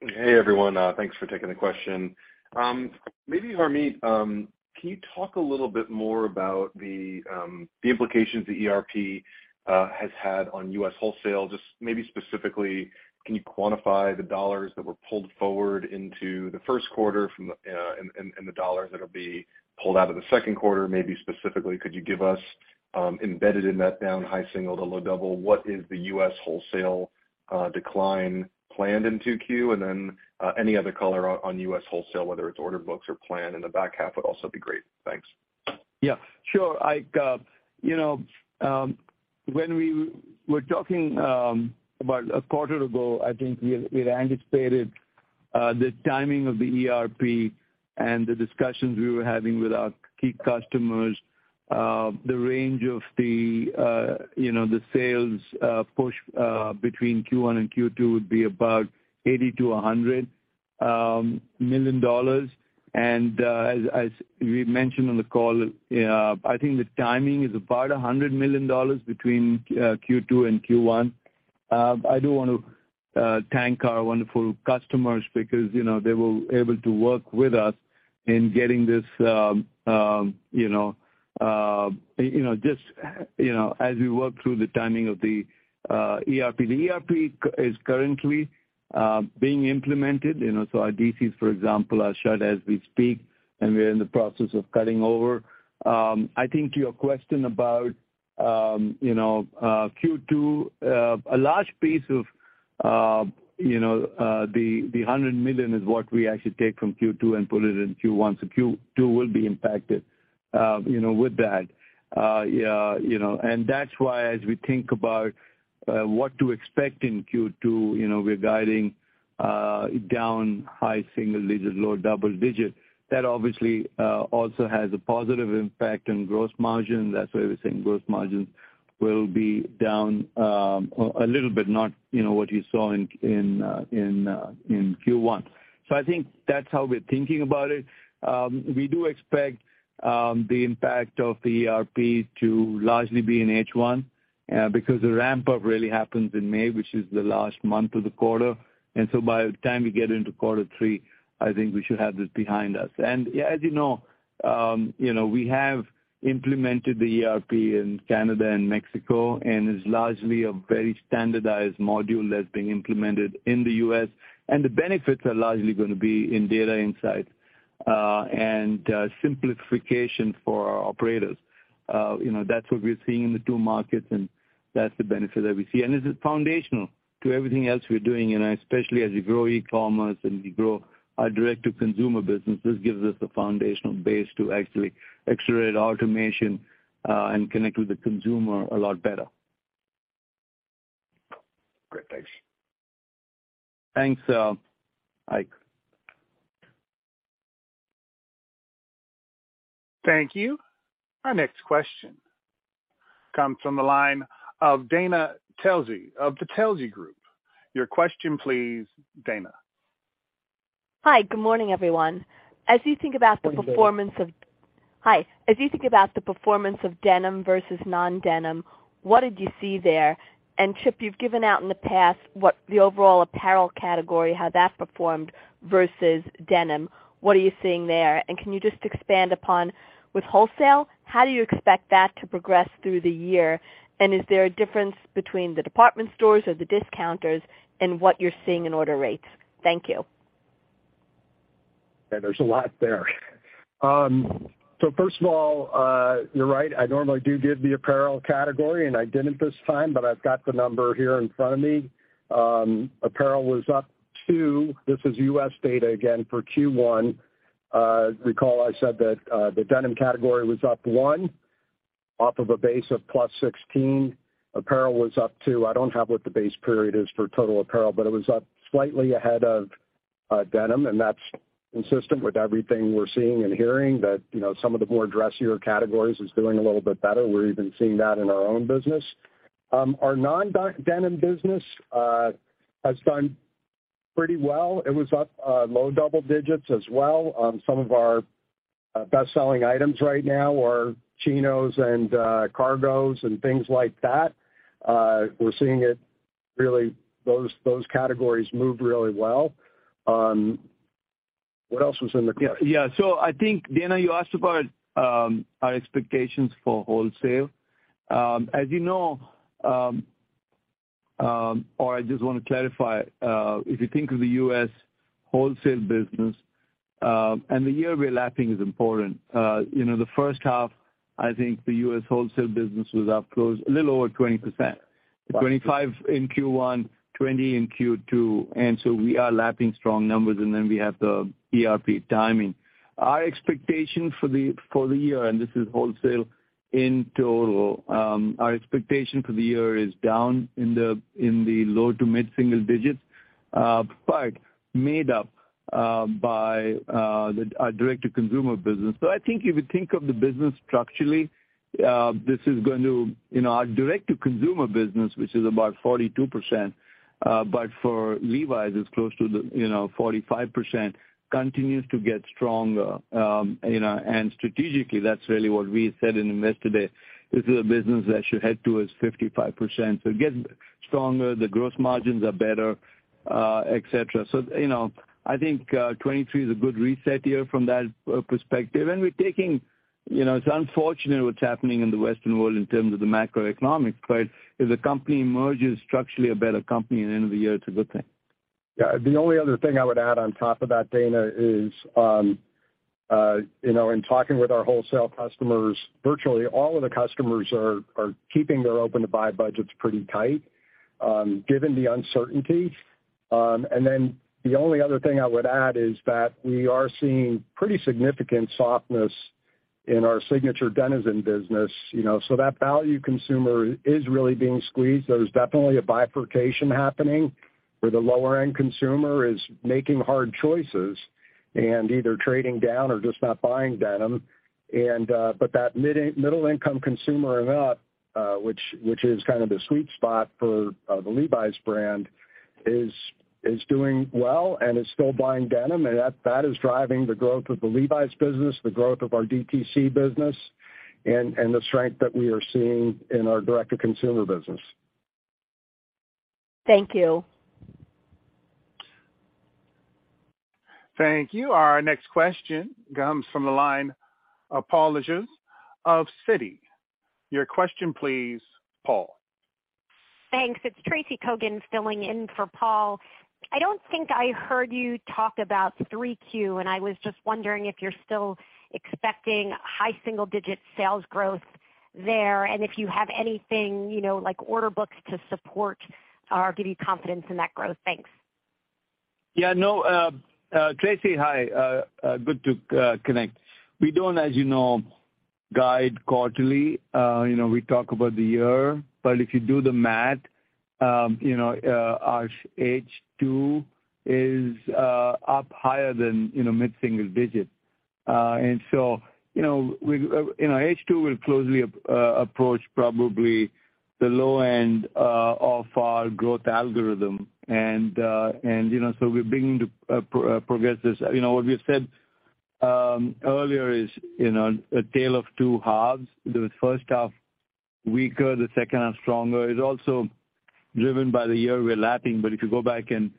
Hey, everyone. Thanks for taking the question. Maybe Harmit, can you talk a little bit more about the implications the ERP has had on U.S. wholesale? Just maybe specifically, can you quantify the dollars that were pulled forward into the first quarter from and the dollars that'll be pulled out of the second quarter? Maybe specifically, could you give us embedded in that down high single to low double, what is the U.S. wholesale decline planned in 2Q? Any other color on U.S. wholesale, whether it's order books or plan in the back half would also be great. Thanks. Sure, Ike. You know, when we were talking about a quarter ago, I think we'd anticipated the timing of the ERP and the discussions we were having with our key customers. The range of the, you know, the sales push between Q1 and Q2 would be about $80 million to $100 million. As we mentioned on the call, I think the timing is about $100 million between Q2 and Q1. I do wanna thank our wonderful customers because, you know, they were able to work with us in getting this, you know, just, you know, as we work through the timing of the ERP. The ERP is currently being implemented, you know. Our DCs, for example, are shut as we speak, and we're in the process of cutting over. I think to your question about, you know, Q2, a large piece of, you know, the $100 million is what we actually take from Q2 and put it in Q1. Q2 will be impacted, you know, with that. Yeah, you know, and that's why as we think about what to expect in Q2, you know, we're guiding down high single-digit, low double-digit. That obviously also has a positive impact on gross margin. That's why we're saying gross margin will be down a little bit, not, you know, what you saw in Q1. I think that's how we're thinking about it. We do expect the impact of the ERP to largely be in H1 because the ramp up really happens in May, which is the last month of the quarter. By the time we get into quarter three, I think we should have this behind us. As you know, you know, we have implemented the ERP in Canada and Mexico, and it's largely a very standardized module that's being implemented in the U.S. The benefits are largely gonna be in data insight and simplification for our operators. You know, that's what we're seeing in the two markets, and that's the benefit that we see. This is foundational to everything else we're doing. Especially as you grow e-commerce and you grow our direct-to-consumer business, this gives us the foundational base to actually accelerate automation and connect with the consumer a lot better. Great. Thanks. Thanks, Ike. Thank you. Our next question comes from the line of Dana Telsey of Telsey Advisory Group. Your question, please, Dana. Hi. Good morning, everyone. Good morning. Hi. As you think about the performance of denim versus non-denim, what did you see there? Chip, you've given out in the past what the overall apparel category, how that performed versus denim. What are you seeing there? Can you just expand upon with wholesale, how do you expect that to progress through the year? Is there a difference between the department stores or the discounters and what you're seeing in order rates? Thank you. Yeah, there's a lot there. First of all, you're right. I normally do give the apparel category, I didn't this time, I've got the number here in front of me. Apparel was up 2%. This is U.S. data, again, for Q1. Recall I said that the denim category was up 1% off of a base of +16%. Apparel was up 2%. I don't have what the base period is for total apparel, but it was up slightly ahead of denim, that's consistent with everything we're seeing and hearing that, you know, some of the more dressier categories is doing a little bit better. We're even seeing that in our own business. Our non-denim business has done pretty well. It was up low double digits as well. Some of our bestselling items right now are chinos and cargos and things like that. We're seeing it really, those categories move really well. What else was in the question? I think, Dana, you asked about our expectations for wholesale. As you know, or I just wanna clarify, if you think of the U.S. wholesale business, and the year we're lapping is important. You know, the first half, I think the U.S. wholesale business was up close, a little over 20%. 25% in Q1, 20% in Q2. We are lapping strong numbers, and then we have the ERP timing. Our expectation for the year, and this is wholesale in total, our expectation for the year is down in the low to mid-single digits, but made up by our Direct-to-Consumer business. I think if you think of the business structurally, this is going to... You know, our direct-to-consumer business, which is about 42%, but for Levi's, it's close to the, you know, 45%, continues to get stronger. You know, strategically, that's really what we said in Invest Today. This is a business that should head towards 55%. It gets stronger, the gross margins are better, et cetera. You know, I think 2023 is a good reset year from that perspective. We're taking, you know, it's unfortunate what's happening in the Western world in terms of the macroeconomics, but if the company emerges structurally a better company at the end of the year, it's a good thing. Yeah. The only other thing I would add on top of that, Dana, is, you know, in talking with our wholesale customers, virtually all of the customers are keeping their open to buy budgets pretty tight given the uncertainty. The only other thing I would add is that we are seeing pretty significant softness in our Signature DENIZEN business, you know. That value consumer is really being squeezed. There's definitely a bifurcation happening where the lower end consumer is making hard choices and either trading down or just not buying denim. That middle income consumer and up, which is kind of the sweet spot for the Levi's brand, is doing well and is still buying denim. That is driving the growth of the Levi's business, the growth of our DTC business, and the strength that we are seeing in our direct to consumer business. Thank you. Thank you. Our next question comes from the line of Paul Lejuez of Citi. Your question please, Paul. Thanks. It's Tracy Kogan filling in for Paul. I don't think I heard you talk about 3Q, and I was just wondering if you're still expecting high single digit sales growth there, and if you have anything, you know, like order books to support or give you confidence in that growth? Thanks. Yeah, no. Tracy, hi. Good to connect. We don't, as you know, guide quarterly. You know, we talk about the year. If you do the math, you know, our H2 is up higher than, you know, mid-single digit. You know, H2 will closely approach probably the low end of our growth algorithm. You know, so we're beginning to progress this. You know, what we have said earlier is, you know, a tale of two halves. The first half weaker, the second half stronger. It's also driven by the year we're lapping. If you go back and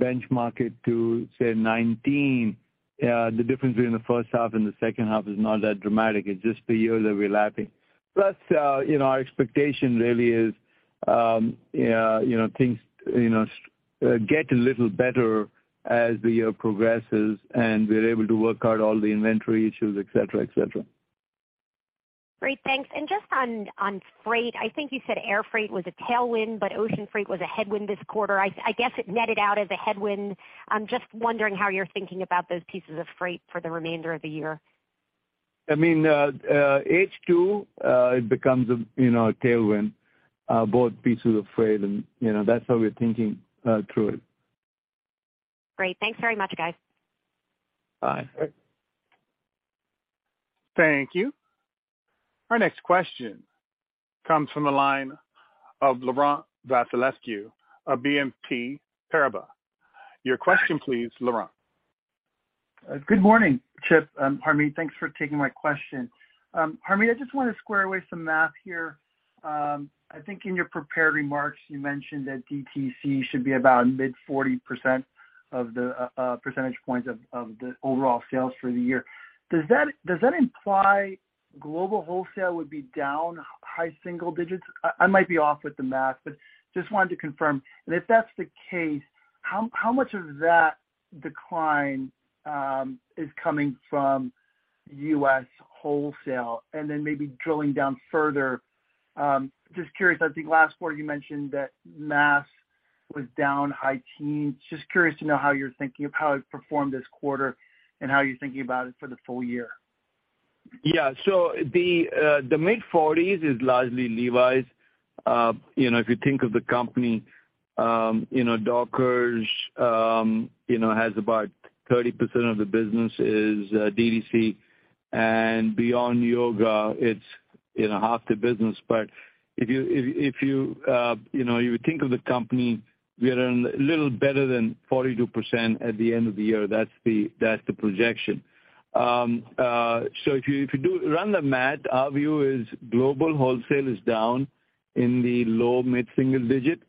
benchmark it to, say, 19, the difference between the first half and the second half is not that dramatic. It's just the year that we're lapping. Plus, you know, our expectation really is, you know, things, you know, get a little better as the year progresses, and we're able to work out all the inventory issues, et cetera. Great. Thanks. Just on freight, I think you said air freight was a tailwind, but ocean freight was a headwind this quarter. I guess it netted out as a headwind. I'm just wondering how you're thinking about those pieces of freight for the remainder of the year. I mean, H2, it becomes a, you know, a tailwind, both pieces of freight and, you know, that's how we're thinking through it. Great. Thanks very much, guys. Bye. Thank you. Our next question comes from the line of Laurent Vasilescu of BNP Paribas. Your question please, Laurent. Good morning, Chip and Harmit. Thanks for taking my question. Harmit, I just wanna square away some math here. I think in your prepared remarks, you mentioned that DTC should be about mid 40% of the percentage points of the overall sales for the year. Does that imply global wholesale would be down high single digits? I might be off with the math, but just wanted to confirm. If that's the case, how much of that decline is coming from U.S. wholesale? Maybe drilling down further, just curious, I think last quarter you mentioned that mass was down high teens. Just curious to know how you're thinking of how it performed this quarter and how you're thinking about it for the full year. Yeah. The mid-40s is largely Levi's. You know, if you think of the company, you know, Dockers, you know, has about 30% of the business is DTC. Beyond Yoga, it's, you know, half the business. If you, if you know, you think of the company, we are in a little better than 42% at the end of the year. That's the projection. If you do run the math, our view is global wholesale is down in the low mid-single digit.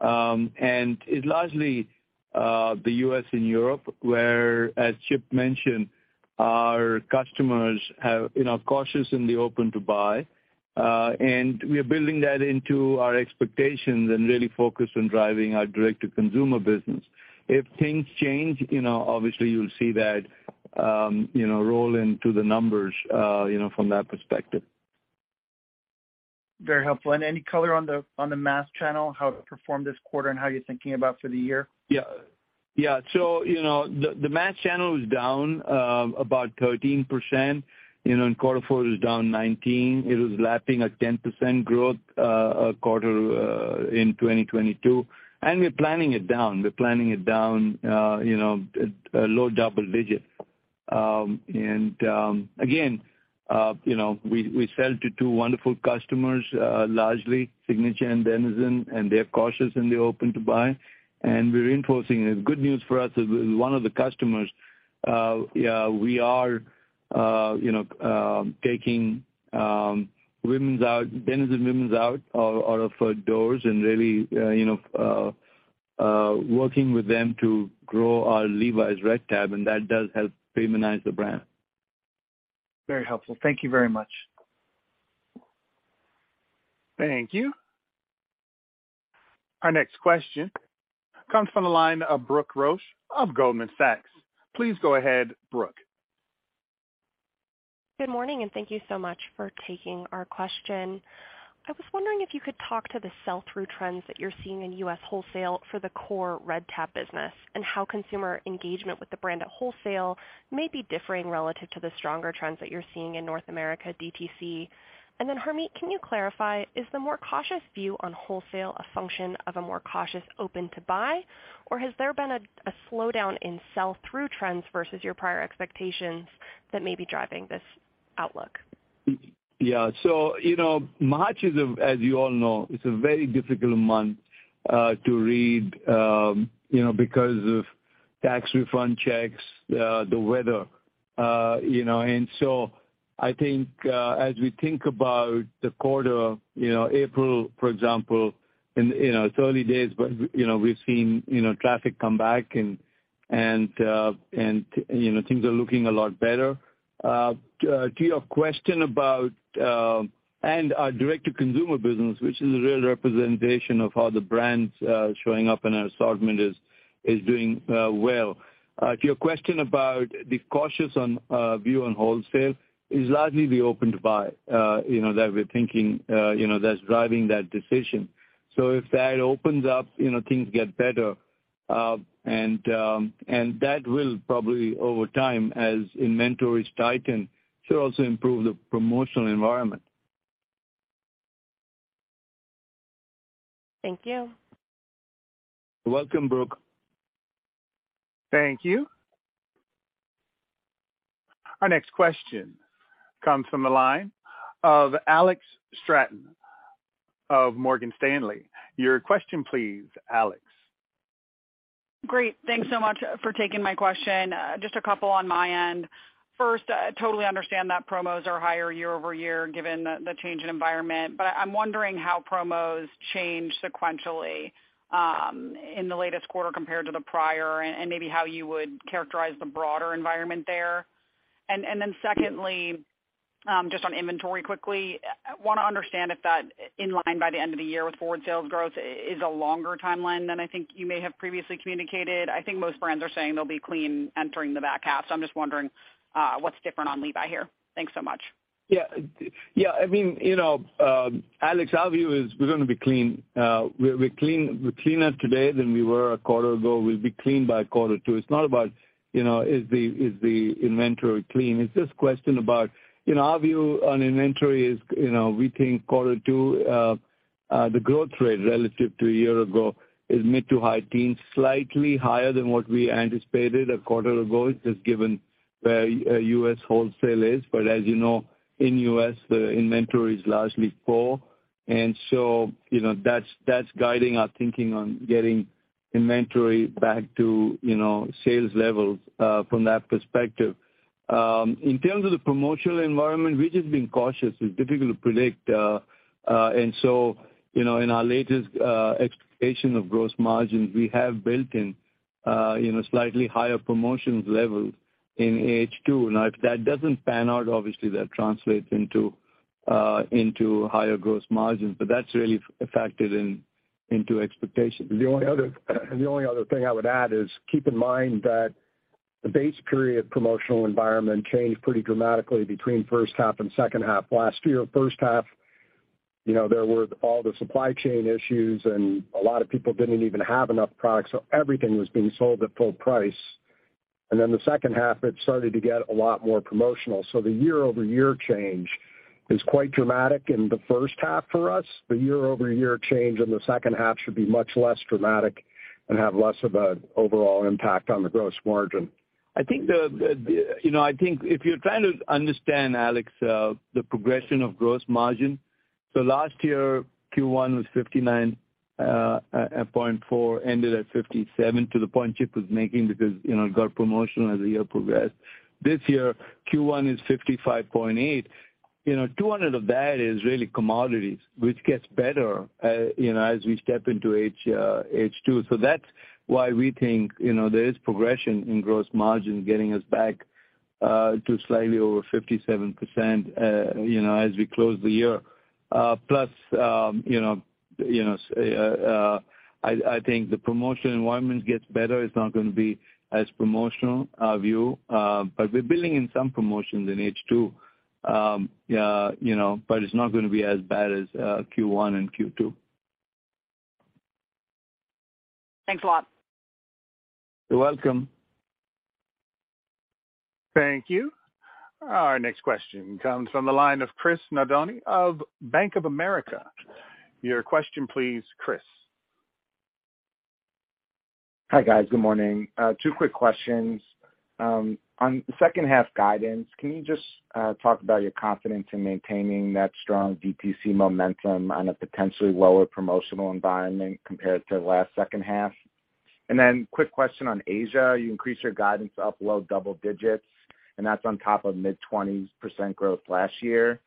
It's largely the U.S. and Europe, where, as Chip mentioned, our customers have, you know, cautious in the open to buy. We are building that into our expectations and really focused on driving our direct-to-consumer business. If things change, you know, obviously you'll see that, you know, roll into the numbers, you know, from that perspective. Very helpful. Any color on the, on the mass channel, how it performed this quarter and how you're thinking about for the year? Yeah. Yeah. You know, the mass channel is down about 13%. You know, in quarter 4 it was down 19. It was lapping a 10% growth quarter in 2022. We're planning it down. We're planning it down, you know, low double digits. Again, you know, we sell to two wonderful customers, largely, Signature and DENIZEN, and they're cautious and they're open to buy. We're reinforcing. The good news for us is one of the customers, we are, you know, taking women's out, DENIZEN women's out of doors and really, you know, working with them to grow our Levi's Red Tab, and that does help premiumize the brand. Very helpful. Thank you very much. Thank you. Our next question comes from the line of Brooke Roach of Goldman Sachs. Please go ahead, Brooke. Good morning, and thank you so much for taking our question. I was wondering if you could talk to the sell-through trends that you're seeing in U.S. wholesale for the core Red Tab business, and how consumer engagement with the brand at wholesale may be differing relative to the stronger trends that you're seeing in North America DTC. Then Harmit, can you clarify, is the more cautious view on wholesale a function of a more cautious open to buy, or has there been a slowdown in sell-through trends versus your prior expectations that may be driving this outlook? Yeah. You know, March is a, as you all know, it's a very difficult month to read, you know, because of tax refund checks, the weather, you know. I think, as we think about the quarter, you know, April, for example, and, you know, it's early days, but, you know, we've seen, you know, traffic come back and, you know, things are looking a lot better. To your question about, and our DTC business, which is a real representation of how the brands showing up in our assortment is doing well. To your question about the cautious on view on wholesale is largely the opened buy, you know, that we're thinking, you know, that's driving that decision. If that opens up, you know, things get better. That will probably over time, as inventory is tightened, should also improve the promotional environment. Thank you. You're welcome, Brooke. Thank you. Our next question comes from the line of Alex Straton of Morgan Stanley. Your question please, Alex. Great. Thanks so much for taking my question. Just a couple on my end. First, I totally understand that promos are higher year-over-year given the change in environment. I'm wondering how promos change sequentially in the latest quarter compared to the prior, and maybe how you would characterize the broader environment there. Then secondly, just on inventory quickly. Want to understand if that in line by the end of the year with forward sales growth is a longer timeline than I think you may have previously communicated. I think most brands are saying they'll be clean entering the back half, so I'm just wondering what's different on Levi's here. Thanks so much. Yeah. Yeah, I mean, you know, Alex, our view is we're gonna be clean. We're, we're clean, we're cleaner today than we were a quarter ago. We'll be clean by quarter two. It's not about, you know, is the inventory clean. It's just question about, you know, our view on inventory is, you know, we think quarter two, the growth rate relative to a year-ago is mid- to high-teens, slightly higher than what we anticipated a quarter ago, just given where U.S. wholesale is. As you know, in U.S., the inventory is largely poor. So, you know, that's guiding our thinking on getting inventory back to, you know, sales levels, from that perspective. In terms of the promotional environment, we've just been cautious. It's difficult to predict. You know, in our latest expectation of gross margins, we have built in, you know, slightly higher promotions level in H2. If that doesn't pan out, obviously that translates into higher gross margins. That's really factored in, into expectations. The only other thing I would add is keep in mind that the base period promotional environment changed pretty dramatically between first half and second half. Last year, first half, you know, there were all the supply chain issues, and a lot of people didn't even have enough product, so everything was being sold at full price. The second half, it started to get a lot more promotional. The year-over-year change is quite dramatic in the first half for us. The year-over-year change in the second half should be much less dramatic and have less of a overall impact on the gross margin. I think, you know, I think if you're trying to understand, Alex Straton, the progression of gross margin. Last year, Q1 was 59.4, ended at 57 to the point Chip Bergh was making because, you know, it got promotional as the year progressed. This year, Q1 is 55.8. You know, 200 of that is really commodities, which gets better, you know, as we step into H2. That's why we think, you know, there is progression in gross margin getting us back to slightly over 57%, you know, as we close the year. Plus, you know, you know, I think the promotional environment gets better. It's not gonna be as promotional, our view. We're building in some promotions in H2. you know, it's not gonna be as bad as Q1 and Q2. Thanks a lot. You're welcome. Thank you. Our next question comes from the line of Chris Nardone of Bank of America. Your question please, Chris. Hi, guys. Good morning. Two quick questions. On second half guidance, can you just talk about your confidence in maintaining that strong DTC momentum on a potentially lower promotional environment compared to last second half? Quick question on Asia. You increased your guidance up low double digits, and that's on top of mid-20s% growth last year.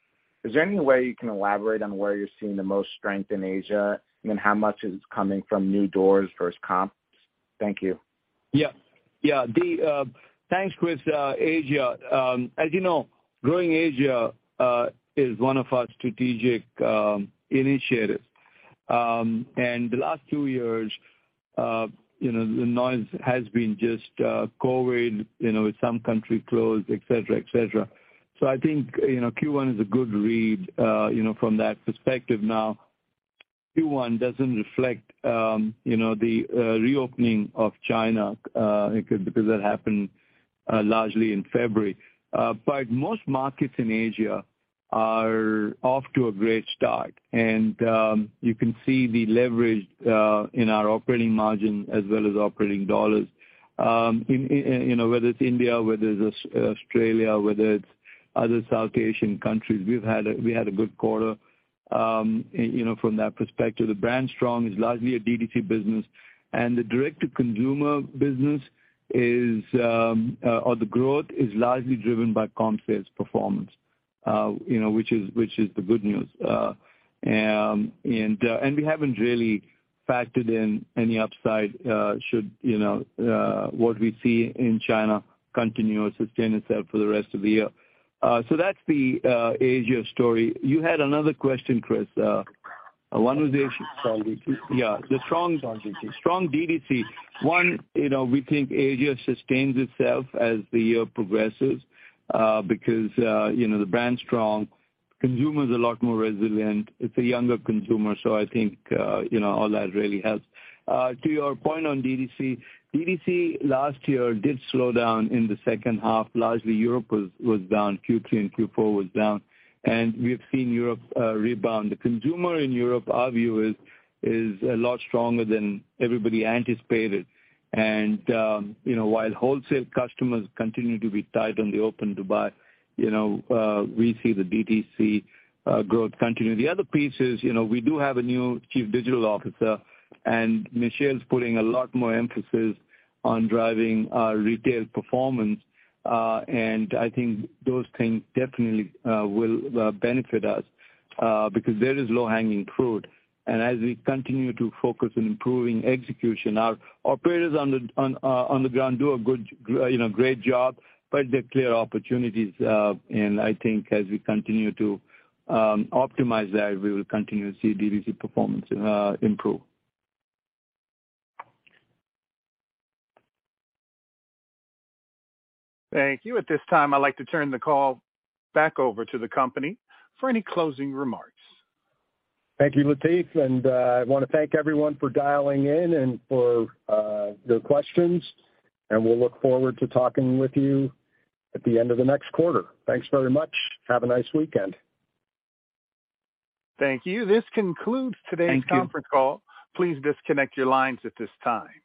Is there any way you can elaborate on where you're seeing the most strength in Asia, and how much is coming from new doors versus comps? Thank you. Yeah. Yeah. Thanks, Chris. Asia, as you know, growing Asia, is one of our strategic initiatives. The last 2 years, you know, the noise has been just COVID, you know, with some country closed, et cetera, et cetera. I think, you know, Q1 is a good read, you know, from that perspective now. Q1 doesn't reflect, you know, the reopening of China, because that happened largely in February. Most markets in Asia are off to a great start. You can see the leverage in our operating margin as well as operating dollars. In, you know, whether it's India, whether it's Australia, whether it's other South Asian countries, we had a good quarter, you know, from that perspective. The brand strong is largely a DTC business, the Direct-to-Consumer business is, or the growth is largely driven by comp sales performance, you know, which is the good news. We haven't really factored in any upside, should, you know, what we see in China continue or sustain itself for the rest of the year. That's the Asia story. You had another question, Chris. one was. Strong DTC. Yeah. Strong DTC. Strong DTC. One, you know, we think Asia sustains itself as the year progresses, because, you know, the brand's strong. Consumer's a lot more resilient. It's a younger consumer, so I think, you know, all that really helps. To your point on DTC last year did slow down in the second half. Largely Europe was down. Q3 and Q4 was down. We've seen Europe rebound. The consumer in Europe, our view is a lot stronger than everybody anticipated. While wholesale customers continue to be tight on the open to buy, you know, we see the DTC growth continue. The other piece is, you know, we do have a new chief digital officer, and Michelle's putting a lot more emphasis on driving our retail performance. I think those things definitely will benefit us because there is low-hanging fruit. As we continue to focus on improving execution, our operators on the ground do a good, you know, great job, but there are clear opportunities. I think as we continue to optimize that, we will continue to see DTC performance improve. Thank you. At this time, I'd like to turn the call back over to the company for any closing remarks. Thank you, Lateef, and I wanna thank everyone for dialing in and for their questions, and we'll look forward to talking with you at the end of the next quarter. Thanks very much. Have a nice weekend. Thank you. This concludes today's conference call. Thank you. Please disconnect your lines at this time.